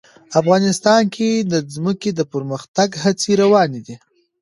افغانستان کې د ځمکه د پرمختګ هڅې روانې دي.